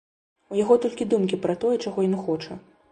У яго толькі думкі пра тое, чаго ён хоча.